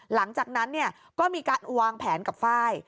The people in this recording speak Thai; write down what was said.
หลังจากนั้นเนี่ยก็มีการวางแผนกับฝ้าย